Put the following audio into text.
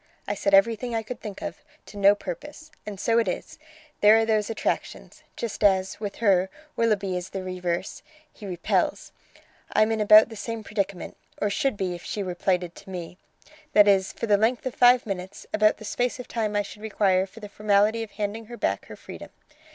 I said everything I could think of, to no purpose. And so it is: there are those attractions! just as, with her, Willoughby is the reverse, he repels. I'm in about the same predicament or should be if she were plighted to me. That is, for the length of five minutes; about the space of time I should require for the formality of handing her back her freedom.